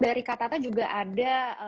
dari kata kata juga ada